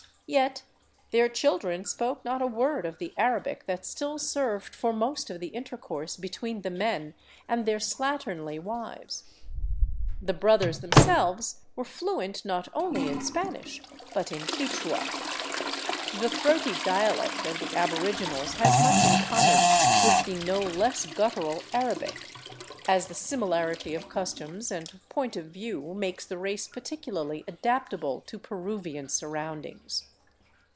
Yet their children spoke not a word of the Arabic that still served for most of the intercourse between the men and their slatternly wives. The brothers themselves were 358 OVERLAND TOWARD CUZCO fluent, not only in Spanish, but in Quichua. The throaty dialect of the aboriginals has much in common with the no less guttural Arabic; as the similarity of customs and point qf view makes the race particularly adaptable to Peruvian surroundings.